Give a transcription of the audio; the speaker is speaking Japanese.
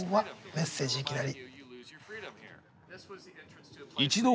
メッセージいきなり。